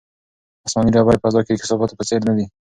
آسماني ډبرې په فضا کې د کثافاتو په څېر نه دي.